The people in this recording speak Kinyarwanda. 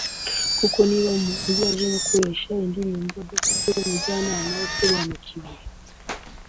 kuko niba umuhanzi aje gukoresha indirimbo adafite umujyanama usobanukiwe